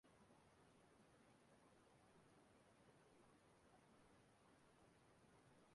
Igwe Raymond Omoja